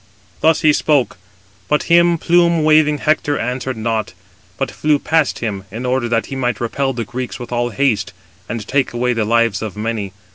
Thus he spoke: but him plume waving Hector answered nought, but flew past him, in order that he might repel the Greeks with all haste, and take away the lives of many.